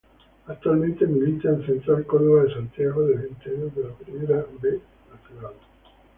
Actualmente milita en Central Córdoba de Santiago del Estero de la Primera B Nacional.